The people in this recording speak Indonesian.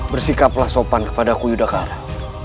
bersikaplah sopan kepada aku yudhakara